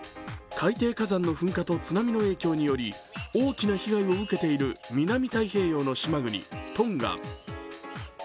海底火山の噴火と津波の影響により大きな被害を受けている南太平洋の島国トンガ。